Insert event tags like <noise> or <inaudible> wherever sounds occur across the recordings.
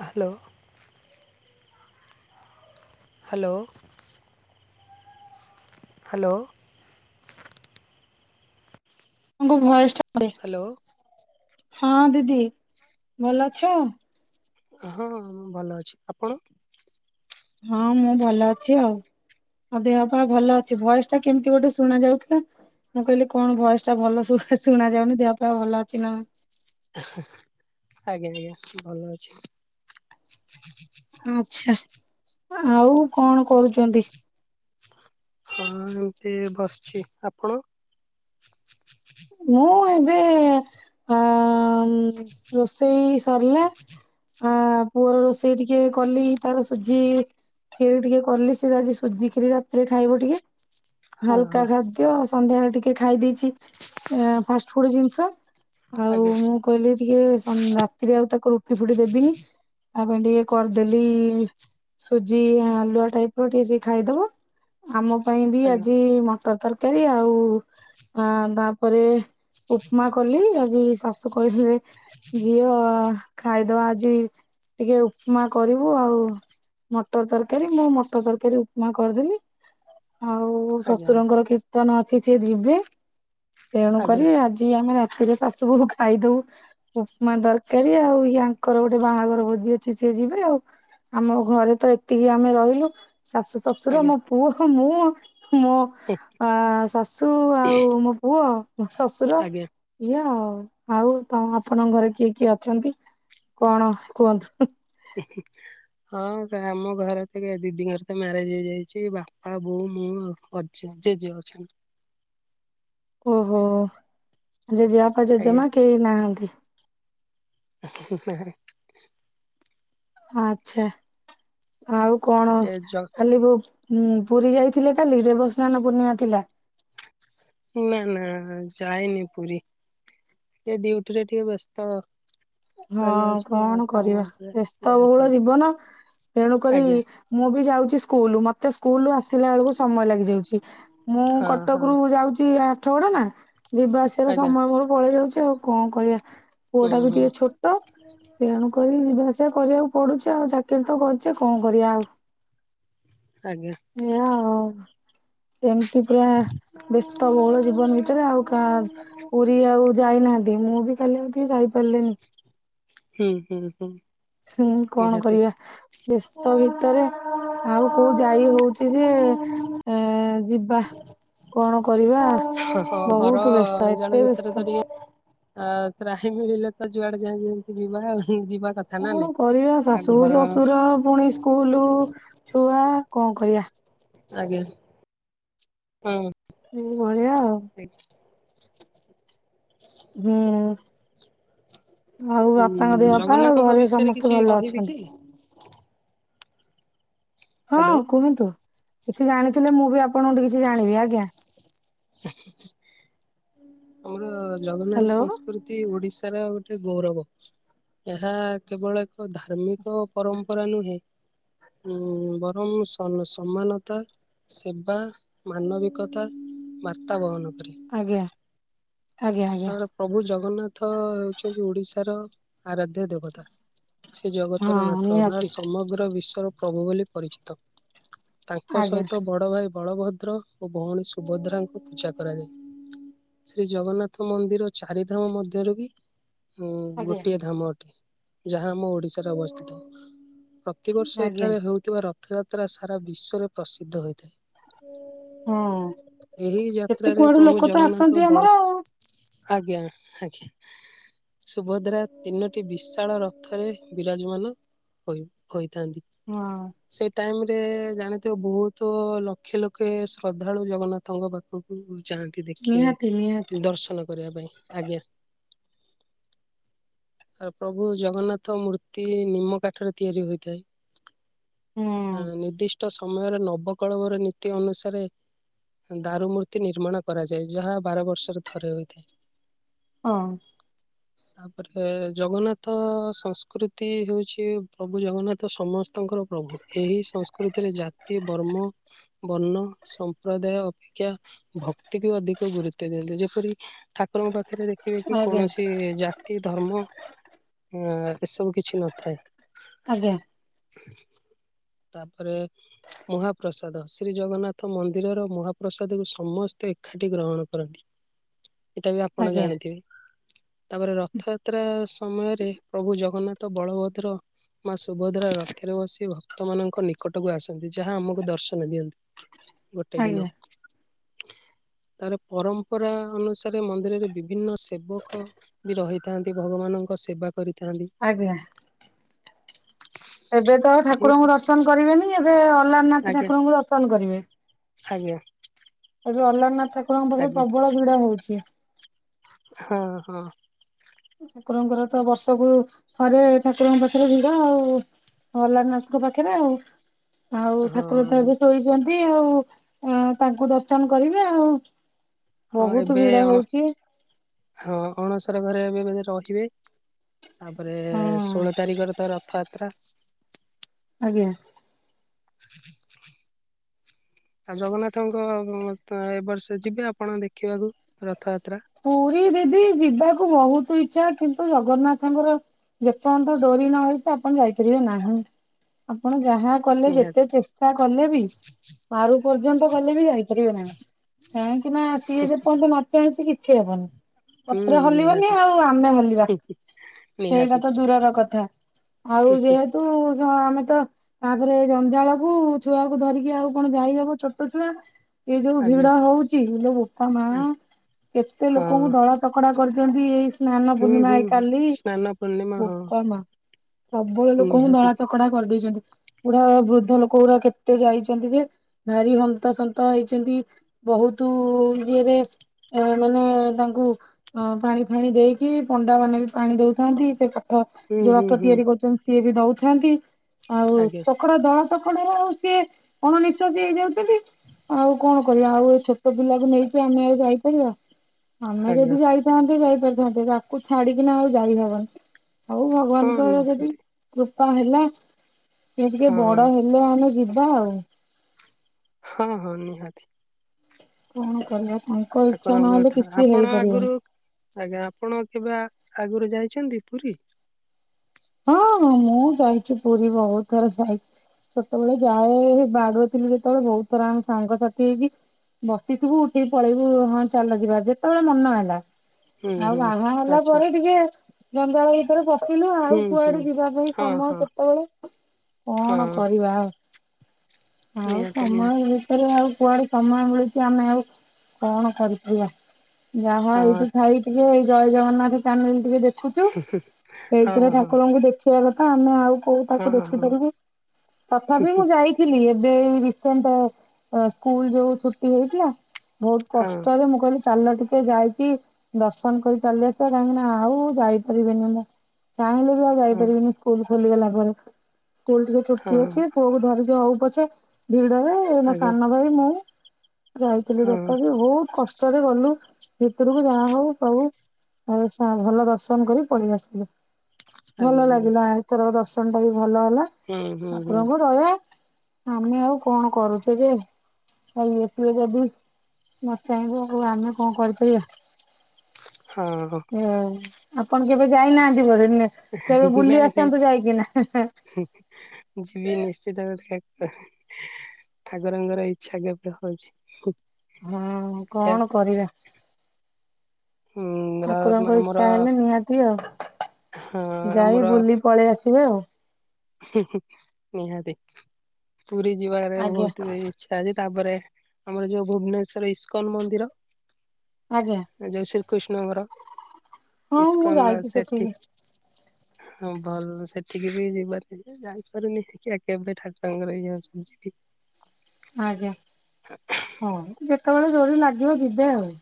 Hello. Hello. Hello. ଆପଣଙ୍କ ଭଏସଟା <unintelligible> hello ହଁ ଦିଦି ଭଲ ଅଛ? ହଁ- ମୁଁ ଭଲ ଅଛି। ଆପଣ? ହଁ- ମୁଁ ଭଲ ଅଛି ଆଉ। ହଁ ଦେହ ପା ଭଲ ଅଛି, ଭଏସ ଟା କେମିତି ଗୋଟେ ଶୁଣା ଯାଉଥିଲା। ମୁଁ କହିଲି କଣ ଭଏସଟା ଭଲ <unintelligible> ଶୁଣା ଯାଉନି, ଦେହ ପାହ ଭଲ ଅଛି ନା ଆଜ୍ଞା ଆଜ୍ଞା ଭଲ ଅଛି। ହ ଆଚ୍ଛା, ଆଉ କଣ କରୁଛନ୍ତି? ହଁ ଏମତି ବସିଛି। ଆପଣ? ମୁଁ ଏବେ ଅ ରୋଷେଇ ସରିଲା। ଅ ପୁଅର ରୋଷେଇ ଟିକେ କଲି, ତାର ସୁଜି କ୍ଷୀରି ଟିକେ କଲି, ସେ ଆଜି ସୁଜି ଖିରି ରାତିରେ ଖାଇବ ଟିକେ। ହଁ ହାଲକା ହଁ ଖାଦ୍ୟ, ସନ୍ଧ୍ୟାବେଳେ ଟିକେ ଖାଇ ଦେଇଛି ଆ ଫାଷ୍ଟଫୁଡ୍ ଜିନିଷ, ଆଉ ଆଜ୍ଞା ମୁଁ କଇଲି ଟିକେ ରାତିରେ ଆଉ ତାକୁ ରୁଟି ଫୁଟି ଦେବିନି। ତା ପାଇଁ ଟିକେ କରିଦେଲି ସୁଜି ହାଲୁଆ ଟାଇପ୍ ର ଟିକେ ସେ ଖାଇଦବ। ଆମ ପାଇଁ ବି ଆଜ୍ଞା ଆଜି ମଟର ତରକାରୀ, ଆଉ ତା ବା ପରେ ଉପମା କଲି, ଆଜି ଶାଶୁ କହିଥିଲେ ଝିଅ ଖାଇଦବା ଆଜି, ଟିକେ ଉପମା କରିବୁ ଆଉ ମଟର ତରକାରୀ, ମୁଁ ମଟର ତରକାରୀ ଉପମା କରିଦେଲି। ଆଉ ଆଜ୍ଞା ଶ୍ୱଶୁରଙ୍କର କୀର୍ତ୍ତନ ଅଛି ସିଏ ଯିବେ। ଆଜ୍ଞା ତେଣୁକରି ଆଜି ଆମେ ରାତିରେ ଶାଶୁ ବୋହୁ ଖାଇଦବୁ ଉପମା ତରକାରୀ ଆଉ, ୟାଙ୍କର ଗୋଟେ ବାହାଘର ଭୋଜି ଅଛି ସିଏ ଯିବେ ଆଉ। ଆମ ଘରେ ତ ଏତିକି ଆମେ ରହିଲୁ ଶାଶୁ, ଶ୍ୱଶୁର, ଆଜ୍ଞା ମୋ ପୁଅ, ମୁଁ ମୋ ଆ ଶାଶୁ, ଆଉ ମୋ ପୁଅ, ମୋ ଶଶୁର ଆଜ୍ଞା ଇଆ ଆଉ, ଆଉ ତମ ଆପଣଙ୍କ ଘରେ କିଏ କିଏ ଅଛନ୍ତି, କଣ କୁହନ୍ତୁ? <unintelligible> ହଁ ଆମ ଘରେ ତ ଦିଦିଙ୍କର ତ ମ୍ୟାରେଜ ହେଇଯାଇଛି, ବାପା, ବୋଉ, ମୁଁ ଆଉ। ଅଜା ଜେଜେ ଅଛନ୍ତି। ଓହୋ, ଜେଜେବାପା, ଆଜ୍ଞା ଜେଜେମା କେହିି ନାହାନ୍ତି? <unintelligible> ଆଛା, ଆଉ କଣ ଟିକେ ଜ କାଲିି ବୁ ହୁଁ, ପୁରୀ ଯାଇଥିଲେ କାଲି ଦେବସ୍ନାନ ପୂର୍ଣ୍ଣିମା ଥିଲା। ନା ନା ଯାଇନି ପୁରୀ। ଏ ଡିୟୁଟି ରେ ଟିକେ ବ୍ୟସ୍ତ। ହଁ ରହିଯାଉଛି ଆଉ କଣ କାମ କରିବା, ଉପରେ ବ୍ୟସ୍ତ ବହୁଳ ଯାଇପାରୁନି ଜୀବନ, ତେଣୁକରି ଆଜ୍ଞା ମୁଁ ବି ଯାଉଛି ସ୍କୁଲ, ମତେ ମତେ ସ୍କୁଲୁରୁ ଆସିଲା ବେଳକୁ ସମୟ ଲାଗିଯାଉଛି, ମୁଁ ହଁ ହଁ କଟକ ରୁ ଯାଉଛି ଆଠଗଡା ନା। ଯିବା ଆସିବାର ଆଜ୍ଞା ସମୟ ମୋର ପଳେଇ ଯାଉଛି, ଆଉ କଣ କରିବା? ହୁଁ ପୁଅଟା ବି ହୁଁ ଟିକେ ଛୋଟ। ତେଣୁ କରି ଯିବା ଆସିବା କରିବାକୁ ପଡୁଛି ଆଉ, ଚାକିରି ତ କରିଛେ କଣ କରିବା ଆଉ। ଆଜ୍ଞା। ଏଇଆ ଆଉ ଏମିତି ପୁରା ବ୍ୟସ୍ତ ହୁଁ ବହୁଳ ଜୀବନ ଭିତରେ ଆଉ କା ପୁରୀ ଆଉ ଯାଇନାହାନ୍ତି, ମୁଁ ବି ଖାଲି ଆଉ ଟିକେ ଯାଇପାରିଲିନି। ହୁଁ ହୁଁ ହୁଁ। ହୁଁ କଣ ନିହାତି କରିବା? ବ୍ୟସ୍ତ ଭିତରେ ଆଉ କୋଉ ଯାଇ ହଉଛି। <unintelligible> ଯିବା। କଣ କରିବା ହଁ, ବହୁତ ଘର ବ୍ୟସ୍ତ ଏତେ ଜଣ ଭିତରେ ବ୍ୟସ୍ତ ତ ଟିକେ ଆଉ ତ୍ରାହି ମିଳିଲେ ତ ଯୁଆଡେ ଯାଏ ଯେମିତି ଯିବା ଯିବା କଥା। ନା କଣ ନାଇଁ କରିବା ଆ ଶାଶୁ, ଘର ଶଶୁର, ପୁଣି ସ୍କୁଲ, ଛୁଆ କଣ କରିବା। ଆଜ୍ଞା। <unintelligible> ବଢିଆ ଆଉ। ହୁଁ ଆଉ ବାପାଙ୍କ ଉଁ ଦେହ ପା, ଆଉ ଜଗନ୍ନାଥଙ୍କ ଘରେ ବିଷୟରେ କିଛି ସମସ୍ତେ ଭଲ କହିବି କି ଅଛନ୍ତି? <unintelligible> ହ୍ୟାଲୋ ହଁ କୁହନ୍ତୁ? କିଛି ଜାଣିଥିଲେ ମୁଁ ବି ଆପଣଙ୍କ ଠୁ କିଛି ଜାଣିବି, ଆଜ୍ଞା। <unintelligible> ଆମର ଜଗନ୍ନାଥ ହ୍ୟାଲୋ ସଂସ୍କୃତି ଓଡିଶାର ଗୋଟେ ଗୌରବ। ଏହା କେବଳ ଏକ ଧାର୍ମିକ ପରମ୍ପରା ନୁହେଁ। ହଁ, ବରଂ ସମାନତା ସେବା ମାନବିକତା ବାର୍ତ୍ତା ବହନ କରେ। ଆଜ୍ଞା ଆଜ୍ଞା ଆଜ୍ଞା। ଆମର ପ୍ରଭୁ ଜଗନ୍ନାଥ ହଉଛନ୍ତି ଓଡିଶାର ଆରାଧ୍ୟ ଦେବ ଦେବତା, ସେ ଜଗତର ହଁ ନାଥ ବା ନିହାତି ସମଗ୍ର ବିଶ୍ଵର ପ୍ରଭୁ ବୋଲି ପରିଚିତ। ତାଙ୍କ ଆଜ୍ଞା ସହିତ ବଡ ଭାଇ ବଳଭଦ୍ର ଓ ଭଉଣୀ ସୁଭଦ୍ରାଙ୍କୁ ପୂଜା କରାଯାଏ। ଶ୍ରୀ ଜଗନ୍ନାଥ ମନ୍ଦିର ଚାରି ଧାମ ମଧ୍ୟରେ ବି ଉଁ ଆଜ୍ଞା ଗୋଟିଏ ଧାମ ଅଟେ। ଯାହା ଆମ ଓଡିଶାରେ ଅବସ୍ଥିତ, ପ୍ରତିବର୍ଷ ଆଜ୍ଞା ଏଠାରେ ହଉ ଥିବା ରଥଯାତ୍ରା, ସାରା ବିଶ୍ୱରେ ପ୍ରସିଦ୍ଧ ହୋଇଥାଏ। ହଁ ଏହି କେତେ ଯାତ୍ରାରେ କୁଆଡୁ ପ୍ରଭୁ ଲୋକ ତ ଜଗନ୍ନାଥ, ଆସନ୍ତି ବଳ ଆମର ଆଉ ଆଜ୍ଞା ଆଜ୍ଞା। ସୁଭଦ୍ରା ତିନୋଟି ବିଶାଳ ରଥ ରେ ବିରାଜମାନ କରି କରିଥାନ୍ତି। ହଁ ଅ ସେ ଟାଇମ ରେ ଜାଣିଥିବ ବହୁତ ଲକ୍ଷେ ଲକ୍ଷେ ଶ୍ରଦ୍ଧାଳୁ ଜଗନ୍ନାଥଙ୍କ ପାଖକୁ ଚାଲନ୍ତୁ ଦେଖିବେ। ନିହାତି ନିହାତି ଦର୍ଶନ କରିବା ପାଇଁ ଆଜ୍ଞା। ଆ ପ୍ରଭୁ ଜଗନ୍ନାଥ ମୂର୍ତ୍ତି ନିମ କାଠରେ ତିଆରି ହୋଇଥାଏ। ହୁଁ ଆ ନିର୍ଦ୍ଦିଷ୍ଟ ସମୟରେ ନବକଳବର ନୀତି ଅନୁସାରେ ଦାରୁ ମୂର୍ତ୍ତି ନିର୍ମାଣ କରାଯାଏ ଯାହା ବାର ବର୍ଷରେ ଥରେ ହୋଇଥାଏ। ହଁ। <inaudible> ତାପରେ ଜଗନ୍ନାଥ ସଂସ୍କୃତି ହଉଛି ପ୍ରଭୁ ଜଗନ୍ନାଥ ସମସ୍ତଙ୍କର ପ୍ରଭୁ। ଏହି ସଂସ୍କୃତିରେ ଜାତି ବର୍ମ ବର୍ଣ୍ଣ ସମ୍ପ୍ରଦାୟ ଅପେକ୍ଷା ଭକ୍ତିକୁ ଅଧିକ ଗୁରୁତ୍ୱ ଦିଅନ୍ତି ଯୋଉ ସେପରି ଠାକୁରଙ୍କ ପାଖରେ ଦେଖିବେ କି ଆଜ୍ଞା କୌଣସି ଜାତି ଧର୍ମ ଆ ଏସବୁ କିଛି ନଥାଏ ଆଜ୍ଞା ତାପରେ ମହାପ୍ରସାଦ ଶ୍ରୀ ଜଗନ୍ନାଥ ମନ୍ଦିରର ମହାପ୍ରସାଦକୁ ସମସ୍ତେ ଏକାଠି ଗ୍ରହଣ କରନ୍ତି। ଏଇଟା ବି ଆପଣ ଆଜ୍ଞା ଜାଣିଥିବେ ତାପରେ ରଥଯାତ୍ରା ସମୟରେ ପ୍ରଭୁ ଜଗନ୍ନାଥ ତ ବଳଭଦ୍ର ମା ସୁଭଦ୍ରା ରଥରେ ବସି ଭକ୍ତମାନଙ୍କ ନିକଟକୁ ଆସନ୍ତି ଯାହା ଆମକୁ ଦର୍ଶନ ଦିଅନ୍ତି। ଗୋଟେ ଆଜ୍ଞା ଦିନ ତାର ପରମ୍ପରା ଅନୁସାରେ ମନ୍ଦିରରେ ବିଭିନ୍ନ ସେବକ ବି ରହିଥାନ୍ତି ଭଗବାନଙ୍କ ସେବା କରିଥାନ୍ତି। ଆଜ୍ଞା ଏବେ ତ ଏଇ ଠାକୁରଙ୍କୁ ଦର୍ଶନ କରିବେନି ଏବେ ଅଲାରନାଥ ଆଜ୍ଞା ଠାକୁରଙ୍କୁ ଦର୍ଶନ କରିବେ। ଆଜ୍ଞା। ଏବେ ଅଲାରନାଥ ଠାକୁରଙ୍କ ପାଖରେ ଆଜ୍ଞା ପ୍ରବଳ ଭିଡ ହଉଛି। ହଁ ହଁ। ଠାକୁରଙ୍କର ତ ବର୍ଷକୁ ଥରେ ଠାକୁରଙ୍କ ପାଖରେ ଭିଡ ଆଉ। ଅଲାରନାଥଙ୍କ ପାଖରେ ଆଉ ଆଉ ଠାକୁରତ ହଁ ଏବେ ଶୋଇଛନ୍ତି ଚନ୍ତି ଆଉ ତାଙ୍କୁ ଦର୍ଶନ କରିବେ ଆଉ। ହଁ ବହୁତ ଏବେ ଭିଡ ଅଣ ହଉଛି ହଁ ଅଣସର ଘରେ ଏବେ ବୋଧେ ରହିବେ। ତାପରେ ହଁ ଷୋଳ ତାରିଖରେ ତ ରଥଯାତ୍ରା। ଆଜ୍ଞା। <unintelligible> ଆଉ ଜଗନ୍ନାଥଙ୍କ ଏବର୍ଷ ଯିବେ ଆପଣ ଦେଖିବାକୁ ରଥଯାତ୍ରା। ପୁରୀ ଦିଦି ଯିବାକୁ ବହୁତ ଇଛା କିନ୍ତୁ ଜଗନ୍ନାଥଙ୍କର ଯେପର୍ଯ୍ୟନ୍ତ ଡୋରି ନ ହେଇଛି ଆପଣ ଯାଇପାରିବେ ନାହିଁ। ଆପଣ ଯାହା କଲେ ନିହାତି ଯେତେ ଚେଷ୍ଟା କଲେ ବି ପାରୁ ପର୍ଯ୍ୟନ୍ତ ଗଲେ ବି ଯାଇପାରିବେ ନାହି କାହିଁକି ନା ସିଏ ଯେ ପର୍ଯ୍ୟନ୍ତ ନ ଚାହିଁଛି କିଛି କିଛି ହବନି ହୁଁ ପତ୍ର ହଲିବନି ନିହାତି ଆଉ ଆମେ ହଲିବା ସେଇଟା ନିହାତି ତ ଦୂରର କଥା ଆଉ ଯେହେତୁ ଆମେ ତ ତାପରେ ଜଂଜାଳ କୁ ଛୁଆକୁ ଧରିକି ଆଉ କଣ ଯାଇହବ ଛୋଟ ଛୁଆ। ଏ ଯୋଉ ଆଜ୍ଞା ଭିଡ ହଉଛି ଇଲୋ ବୋପା ମା। ଆ କେତେ ଲୋକଙ୍କୁ ହଁ ଦଳା ଚକଡା କରିଛନ୍ତି ଏଇ ସ୍ନାନ ହୁଁ ପୂର୍ଣ୍ଣିମା ହୁଁ ହେଇ ହୁଁ କାଲି ସ୍ନାନ ପୂର୍ଣ୍ଣିମା ହଁ ବୋପା ମାଆ। ପ୍ରବଳ ଲୋକଙ୍କୁ ନିହାତି ଦଳା ଚକଡା କରିଦେଇଛନ୍ତି। ବୁଡା ବୃଦ୍ଧ ଲୋକ ଗୁଡା କେତେ ଯାଇଛନ୍ତି ଯେ ଭାରି ହନ୍ତସନ୍ତ ହେଇଛନ୍ତି। ବହୁତ ଇଏରେ ଏ ମାନେ ତାଙ୍କୁ ଅ ପାଣି ଫାଣି ଦେଇକି ପଣ୍ଡା ମାନେ ବି ପାଣି ଦଉଥାନ୍ତି ସେ ର ହୁଁ ଯୋଉ ହୁଁ ରଥ ହୁଁ ତିଆରି କରୁଛନ୍ତି ସିଏ ବି ଦଉଥାନ୍ତି ଆଉ ଆଜ୍ଞା କଡ ଦଳ ଚକଡ଼ାରେ ଆଉ ସିଏ ଅଣନିଶ୍ୱାସୀ ହେଇଯାଉଛନ୍ତି ଆଉ କଣ କରିବା ଆଉ ଏ ଛୋଟ ପିଲାକୁ ନେଇକି ଆମେ ଆଉ ଯାଇପାରିବା ଆମେ ଆଜ୍ଞା ଯଦି ଯାଇ ଥାନ୍ତେ ଯାଇପାରିଥାନ୍ତେ ତାକୁ ଛାଡିକିନା ଆଉ ଯାଇହବନି ଆଉ ହଁ ଭଗବାନଙ୍କର ଯଦି ନିହାତି କୃପା ହେଲା ସେ ଟିକେ ହଁ ବଡ ହେଲେ ଆମେ ଯିବା ଆଉ। ହଁ ହଁ ନିହାତି। କଣ କରିବା ତାଙ୍କ ଇଚ୍ଛା ଠାକୁରଙ୍କ ନହେଲେ କଥା କିଛି ଆପଣ ଆଗରୁ ହେଇପାରିବନି। ଆଜ୍ଞା ଆପଣ କେବେ ଆ ଆଗରୁ ଯାଇଛନ୍ତି ପୁରୀ? ହଁ ମୁଁ ଯାଇଛି ପୁରୀ ବହୁତ ଥର ଯାଇ ଛୋଟବେଳେ ଯାଏ ବାଡ଼ୁଅ ଥିଲି ଯେତେବେଳେ ବହୁତ ଥର ସାଙ୍ଗସାଥି ହେଇକି ବସିଥିବୁ ଉଠିକି ପଳେଇବୁ ହଁ ଚାଲ ଯିବା ଯେତେବେଳେ ମନ ହେଲା। ହୁଁ ଆଉ ହୁଁ ବାହା ହେଲା ଆଚ୍ଛା ପରେ ଆଚ୍ଛା ଟିକେ ଜଞ୍ଜାଳ ଭିତରେ ପଶିଲୁ ହୁଁ ଆଉ ହୁଁ କୁଆଡ଼େ ଯିବା ପାଇଁ ହଁ ସମୟ ହଁ କେତେବେଳେ କଣ ହଁ କରି ବାଉ। ଆଉ ନିହାତି ସମୟ ନିହାତି ଭିତରେ ଆଉ କୁଆଡ଼େ ସମୟ ମିଳୁଛି ଆମେ ଆଉ କଣ କରିପାରିବା? ଯାହା ହଁ ଏଇଠି ଥାଇ ଟିକେ ଏଇ ଜୟ ଜଗନ୍ନାଥ ଚ୍ୟାନେଲ ଟିକେ ଦେ ଖୁଛୁ ସେଇଥିରେ ହଁ ଠାକୁରଙ୍କୁ ଦେଖ ଖିବା କଥା ଆମେ ଆଉ କୋଉ ହଁ ତାକୁ ହଁ ଦେଖିପାରିବି ତଥାପି ମୁଁ ଯାଇ ଥିଲି ଏବେ ରିସେଣ୍ଟ ଏ ଯୋଉ ସ୍କୁଲ ଛୁଟି ହେଇଥିଲା। ବହୁତ ହଁ କଷ୍ଟରେ ମୁଁ କହିଲି ଚାଲ ଟିକେ ଯାଇକି ଦର୍ଶନ କରି ଚାଲି ଆସିବା କାହିଁକିନା ଆଉ ଯାଇପାରିବିନି ମୁଁ ଚାହିଁଲେ ବି ଆଉ ହଁ ଯାଇପାରିବିନି ସ୍କୁଲ ଖୋଲିଗଲା ପରେ। ସ୍କୁଲ ଟିକେ ହଁ ଛୁଟି ହଁ ଅଛି ପୁଅକୁ ଧରିକି ହଉ ପଛେ। ଭିଡ଼ରେ ମୋ ଆଜ୍ଞା ସାନ ଭାଇ ମୁଁ ଯାଇଥିଲୁ ହଁ ରଥକୁ ବହୁତ କଷ୍ ଚରେ ଗଲୁ ଭିତରକୁ ଯାହା ହଉ ପ୍ରଭୁ। ଆ ସା ଭଲ ଦର୍ଶନ କରି ପଳେଇ ଆସିଲୁ। ଆଜ୍ଞା ଆଜ୍ଞା ଭଲ ଲାଗିଲା ଏଥର ଦର୍ଶନ ଟା ବି ଭଲ ହେଲା। <unintelligible> <unintelligible> ଆମେ ଆଉ କଣ କରୁଛେ ଯେ? ଆଉ ଇଏ ସିଏ ଯଦି ନଚାହିଁବେ ଆଉ ଆମେ କଣ କରିପାରିବା? ହୁଁ ହୁ। ଏ ଆଉ ଆପଣ କେବେ ଯାଇନାହାନ୍ତି ବୋଧେ ନେ କେବେ ବୁଲି ନାଇଁ ନାଇଁ ଆସନ୍ତୁ ଯାଇକିନା। ଯିବି ନିଶ୍ଚିତ ରୂପେ? ଠାକୁରଙ୍କର ଇଚ୍ଛା କେବେ ହଉଛି? ହଁ କଣ କରିବା। ର ଠାକୁରଙ୍କ ଆମର ଇଚ୍ଛା ହେଲେ ନିହାତି ଆଉ। ହଁ ଯାଇ ଆମର ବୁଲି ପଳେଇ ଆସିବେ ଆଉ। ନିହାତି ପୁରୀ ଯିବାରେ ଆଜ୍ଞା ବହୁତ ଏ ଇଛା ଅଛି ତାପରେ ଆମର ଯୋଉ ଭୁବନେଶ୍ଵର ଇସ୍କନ ମନ୍ଦିର ଆଜ୍ଞା। ଯୋଉ ଶ୍ରୀକୃଷ୍ଣଙ୍କର ହଁ ମୁଁ ଇସ୍କାନ ଯାଇଛି ସେଠି। ସେଠିକି ହଁ ଭଲ ସେଠିକି ବି ଯିବାର କେବେ ଯାଇପାରୁନି ଦେଖିଆ କେବେ ଠାକୁରଙ୍କର ଇଏ ହଉଚି ଯିବି। ଆଜ୍ଞା ହଉ ଯେତେବେଳେ ଡୋରି ଲାଗିବ ଯିବେ ଆଉ।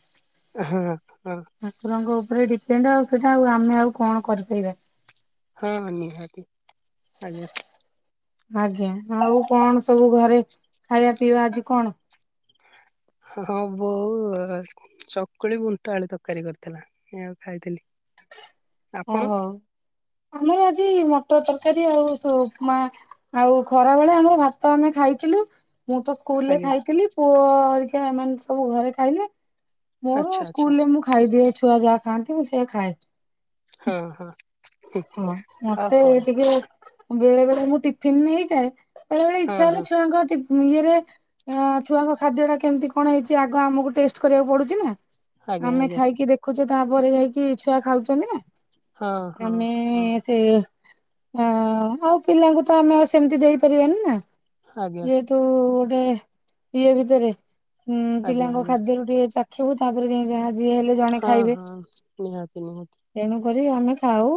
ହଁ ହଁ। ଠାକୁରଙ୍କ ଉପରେ ଡ଼ିପେଣ୍ଡ ଆଉ ସେଇଟା ଆଉ ଆମେ ଆଉ କଣ କରିପାରିବା? ହଁ ନିହାତି ଆଜ୍ଞା। ଆଜ୍ଞା ଆଉ କଣ ସବୁ ଘରେ ଖାଇବା ପିଇବା ଆଜି କଣ? ହଁ ହ ବୋଉ ଚକୁଳି ବୁଟ ଆଳୁ ତରକାରୀ କରିଥିଲା ସେୟାକୁ ଖାଇଥିଲି। <inaudible> ଓହୋଉ ଆମର ଆଜି ମଟର ତରକାରୀ ଆଉ ଉପ ଉପମା। ଆଉ ଖରା ବେଳେ ଆମ ଭାତ ଆମେ ଖାଇଥିଲୁ। ମୁଁ ତ ସ୍କୁଲରେ ଆଜ୍ଞା ଖାଇଥିଲି ପୁଅ ହେରିକା ଏମାନେ ସବୁ ଘରେ ଖାଇଲେ। ମୋର ଆଚ୍ଛା ଆଚ୍ଛା ସ୍କୁଲ ରେ ମୁଁ ଖାଇଦିଏ ଛୁଆ ଯାହା ଖାଆନ୍ତି ମୁଁ ସେଆ ଖାଏ। ହ ହ। ହଁ ମତେ ଏ ଟିକେ ବେଳେ ବେଳେ ମୁଁ ଟିଫିିନ ନେଇଯାଏ, ବେଳେ ବେଳେ ହଁ ଇଚ୍ଛା ହଁ ହେଲେ ଛୁଆଙ୍କ ଟିଫ ଇଏରେ ଛୁଆଙ୍କ ଖାଦ୍ୟ ଟା କେମିତି କଣ ହେଇଛି, ଆଗ ଆମକୁ ଟେଷ୍ଟ କରିବାକୁ ପଡୁଛି ନା। ଆଜ୍ଞା ଆମେ ଆଜ୍ଞା ଖାଇକି ଦେଖୁଛେ, ତାପରେ ଯାଇକି ଛୁଆ ଖାଉଛନ୍ତି ନା। ହଁ ହଁ ଆମେ ହଁ ସେ ଓଁ ଆଉ ପିଲାଙ୍କୁ ତ ଆମେ ଆଉ ସେମିତି ଦେଇପାରିବାନି ନା ଆଜ୍ଞା ଇଏ ତୁ ଗୋଟେ ଇଏ ଭିତରେ ଉ ଆଜ୍ଞା ପିଲାଙ୍କ ଆଜ୍ଞା ଖାଦ୍ୟ ର ଟିକେ ଚା ଦେଖିବୁ, ତାପରେ ଜାଇଁ ଯାହା ଯିଏ ହେଲେ ଜଣେ ହଁ ଖାଇବେ। ହଁ ନିହାତି ନିହାତି ତେଣୁ କରି ଆମେ ଖାଉ,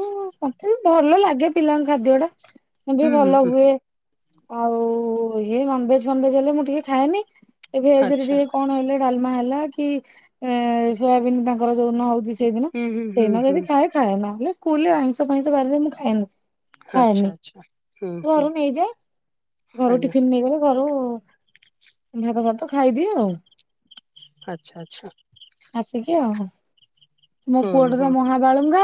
ମତେ ବି ଭଲ ଲାଗେ ପିଲାଙ୍କ ଖାଦ୍ୟ ଟା। ବି ହୁଁ ହୁଁ ଭଲ ହୁଁ ହୁଏ, ଆଉ ଇଏ ନନଭେଜ ଫନଭେଜ ହେଲେ ମୁଁ ଟିକେ ଖାଏନି। ଏ ଭେଜ ରେ ଆଚ୍ଛା ଟିକେ କଣ ହେଲେ ଡାଲମା ହେଲା କି ଏ ସୋୟାବିନ ତାଙ୍କର ଯୋଉନ ହଉଚି। ସେଇଦିନ ହୁଁ ହୁଁ ହୁଁ ସେଇଦିନ ହୁଁ ଯଦି ଖାଏ ଖାଏ ନହେଲେ, ସ୍କୁଲରେ ଆଇଁଷ ଫାଇଁସ ବାରି ମୁଁ ଖାଏନି। ଆଚ୍ଛା ଖାଏନି ଆଚ୍ଛା ହୁଁ ହୁଁ ଘରୁ ନେଇଯାଏ। ଘରୁ ଆଜ୍ଞା ଟିଫିନ ନେଇଗଲେ ଘରୁ ଭାତ ଫାତ ଖାଇଦିଏ ଆଉ। ଆଚ୍ଛା ଆଚ୍ଛା। ଆସିକି ଆଉ ମୋ ହୁଁ ପୁଅଟା ତ ହୁଁ ମହାବାଳୁଙ୍ଗା।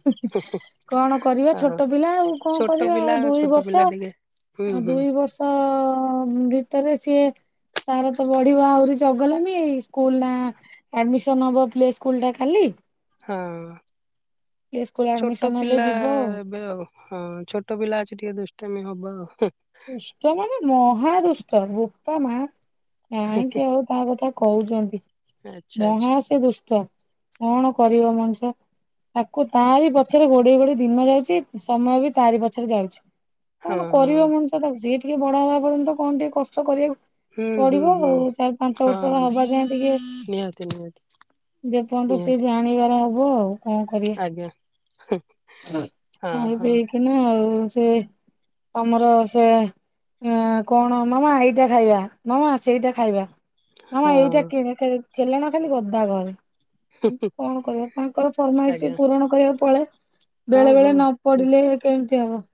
<unintelligible> କଣ କରିବା, ହଁ ଛୋଟ ପିଲା ଆଉ କଣ ଛୋଟ କରିବା ପିଲା ଆଉ ଦୁଇ ଛୋଟ ପିଲା ବର୍ଷ। ଟିକେ ହୁଁ ଆଉ ଦୁଇ ବର୍ଷ। <inaudible> ଭିତରେ ସିଏ ତାର ତ ବଢିବ ଆହୁରି ଚଗଲାମି ସ୍କୁଲ ନା ଆଡମିସନ ହବ, ପ୍ଲେ ସ୍କୁଲ ଟା କାଲି। ହଁ ପ୍ଲେ ସ୍କୁଲ ଛୋଟ ଆଡମିସନ ହେଲେ ପିଲା ଯିବ ଆଉ। ଏବେ ଆଉ। ହଁ ଛୋଟ ପିଲା ଅଛି ଟିକେ ଦୁଷ୍ଟାମି ହବ ଆଉ। ଦୁଷ୍ଟ ମାନେ ମହାଦୁଷ୍ଟ ବୋପା ମା କାହିଁକି ଆଉ କାହା କଥା କହୁଛନ୍ତି, ଆଚ୍ଛା ଆଚ୍ଛା ମହା ସେ ଦୁଷ୍ଟ କଣ କରିବ ମଣିଷ। ତାକୁ ତାରି ପଛରେ ଗୋଡେଇ ଗୋଡେଇ ଦିନ ଯାଉଛି, ସମୟ ବି ତାରି ପଛରେ ଯାଉଛି। ହଁ କଣ ହଁ କରିବ ମଣିଷ ତାକୁ ସିଏ ଟିକେ ବଡ ହବା ପର୍ଯ୍ୟନ୍ତ କଣ ଟିକେ କଷ୍ଟ କରିଆକୁ ହୁଁ ହୁଁ ପଡିବ ହୁଁ ଆଉ ଚାରି ପାଞ୍ଚ ହଁ ବର୍ଷର ହବା ଯାଏ ଟିକେ ନିହାତି ନିହାତି ଯେପର୍ଯ୍ୟନ୍ତ ସି ନିହାତି ଜାଣିବାର ହବ ଆଉ କଣ କରିବା। ଆଜ୍ଞା <unintelligible> ହଁ ହଁ <unintelligible> କିନା ଆଉ ସେ ଆମର ସେ ଏଁ କଣ ମାମା ଏଇଟା ଖାଇବା, ମାମା ସେଇଟା ଖାଇବା। ମାମା ହଁ ଏଇଟା କିଣି, ଖେଲଣା ଖାଲି ଗଦା ଗ କଣ କରିବା ତାଙ୍କର ଫରମାଇଶ ବି ଆଜ୍ଞା ପୂରଣ କରିବା ପଳେ। ହଁ ବେଳେ ବେଳେ ହଁ ନ ନିହାତି। ପଡିଲେ କେମିତି ହବ।